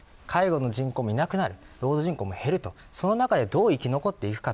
介護の人口も、労働人口も減る中でどう生き残っていくか。